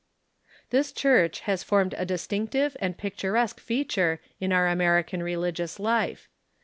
This Church has formed a distinctive and picturesque feat ure in our American religious life.